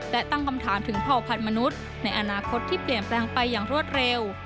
และตั้งคำถามถึงเผ่าพันธุ์มนุษย์ในอนาคตที่เปลี่ยนแปลงไปอย่างรวดเร็ว